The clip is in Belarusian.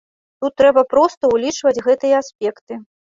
Тут трэба проста ўлічваць гэтыя аспекты.